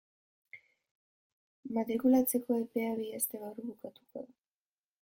Matrikulatzeko epea bi aste barru bukatuko da.